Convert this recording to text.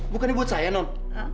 bukannya buat saya non